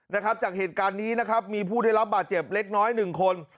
นะครับจากเหตุการณ์นี้นะครับมีผู้ได้รับบาดเจ็บเล็กน้อยหนึ่งคน